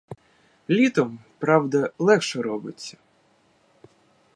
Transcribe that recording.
Літом, правда, легше робиться.